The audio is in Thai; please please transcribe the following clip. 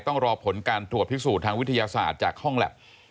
ต้องรอผลการถวดภิกษุทางวิทยาศาสตร์จากห้องแล็บ